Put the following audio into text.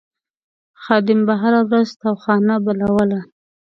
خادم به هره ورځ تاوخانه بلوله.